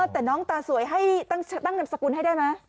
แต่น้องตาสวยให้ตั้งนำสกุลให้ได้ไหม